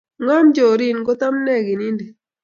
Ng'om chorin kotabne kinindet